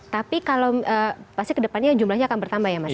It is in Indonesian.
tapi kalau pasti kedepannya jumlahnya akan bertambah ya mas